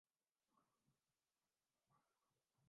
اور آسانی سے شکار ہو ج ہیں